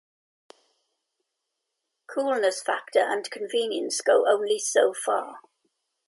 Coolness factor and convenience go only so far.